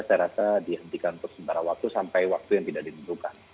saya rasa dihentikan untuk sementara waktu sampai waktu yang tidak ditentukan